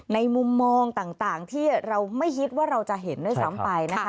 มุมมองต่างที่เราไม่คิดว่าเราจะเห็นด้วยซ้ำไปนะคะ